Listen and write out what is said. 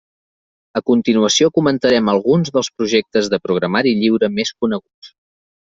A continuació comentarem alguns dels projectes de programari lliure més coneguts.